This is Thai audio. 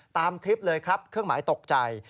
ตามคลิปเลยครับเครื่องหมายตกใจ